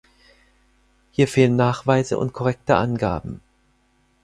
Hier fehlen Nachweise und korrekte Angaben!